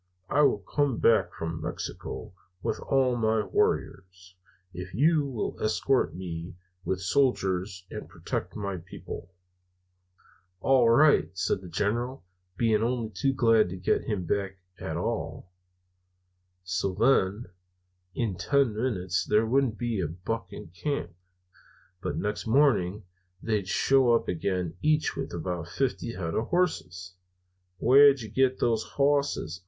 I will come back from Mexico with all my warriors, if you will escort me with soldiers and protect my people.' "'All right,' says the General, being only too glad to get him back at all. "So, then, in ten minutes there wouldn't be a buck in camp, but next morning they shows up again, each with about fifty head of hosses. "'Where'd you get those hosses?'